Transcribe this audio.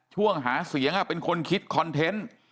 ช่วงหาเสียงเป็นคนคิดคอนเทนต์